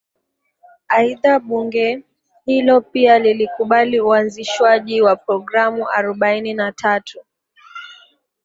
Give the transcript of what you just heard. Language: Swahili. aidha bunge hilo pia lilikubali uanzishwaji wa programu arobaini na tatu